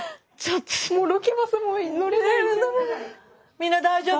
みんな大丈夫？